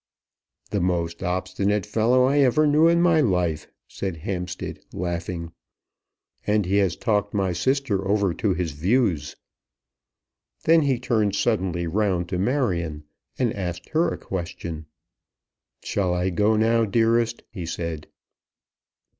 "The most obstinate fellow I ever knew in my life," said Hampstead, laughing. "And he has talked my sister over to his own views." Then he turned suddenly round to Marion, and asked her a question. "Shall I go now, dearest?" he said.